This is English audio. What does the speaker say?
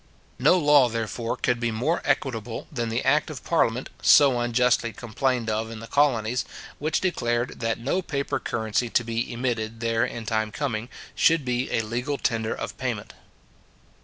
No law, therefore, could be more equitable than the act of parliament, so unjustly complained of in the colonies, which declared, that no paper currency to be emitted there in time coming, should be a legal tender of payment.